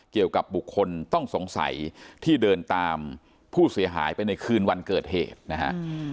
เกี่ยวกับบุคคลต้องสงสัยที่เดินตามผู้เสียหายไปในคืนวันเกิดเหตุนะฮะ